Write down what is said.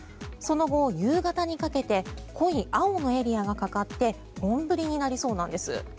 その後、夕方にかけて濃い青のエリアがかかって本降りになりそうなんです。